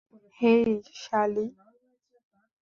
হেই, সালি।